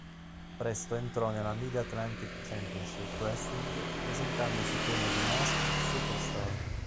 Presto entrò nella Mid-Atlantic Championship Wrestling presentandosi come The Masked Superstar.